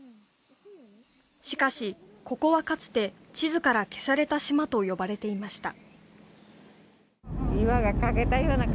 しかしここはかつて地図から消された島と呼ばれていました